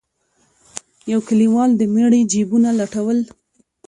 يو کليوال د مړي جيبونه لټول.